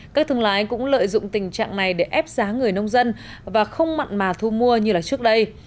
các thương lái cũng lợi dụng tình trạng này để ép giá người nông dân và không mặn mà thu mua như trước đây